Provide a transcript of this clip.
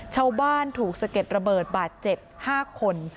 ชาวบ้านถูกสะเก็ดระเบิดบาดเจ็บ๕คน